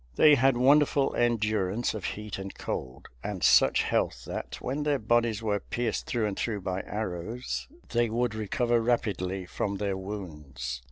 They had wonderful endurance of heat and cold, and such health that, when their bodies were pierced through and through by arrows, they would recover rapidly from their wounds.